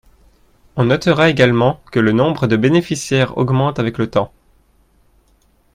On notera également que le nombre de bénéficiaires augmente avec le temps.